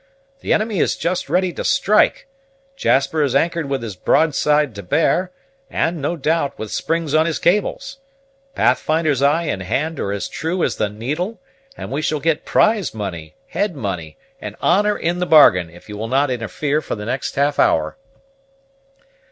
The enemy is just ready to strike; Jasper is anchored with his broadside to bear, and, no doubt, with springs on his cables; Pathfinder's eye and hand are as true as the needle; and we shall get prize money, head money, and honor in the bargain, if you will not interfere for the next half hour."